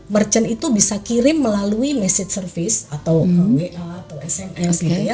merchant itu bisa kirim melalui message service atau wa atau sms gitu ya